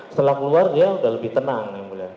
setelah keluar dia udah lebih tenang